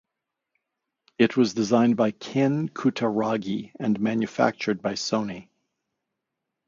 It was designed by Ken Kutaragi and manufactured by Sony.